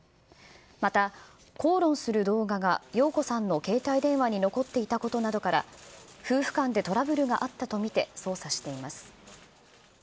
また口論する動画が容子さんの携帯電話に残っていたことなどから、夫婦間でトラブルがあったと見て、捜査しています。